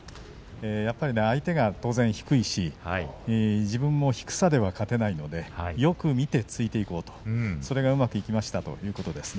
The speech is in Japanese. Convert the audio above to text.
やっぱり、相手が当然低いし自分も低さでは勝てないのでよく見て突いていこうとそれがうまくいきましたということです。